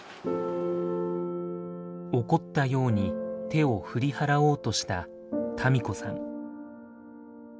怒ったように手を振り払おうとした多美子さん。